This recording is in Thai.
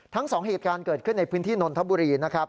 ทั้งสองเหตุการณ์เกิดขึ้นในพื้นที่นนทบุรีนะครับ